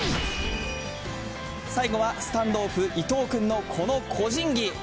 最後はスタンドオフ、伊藤君のこの個人技。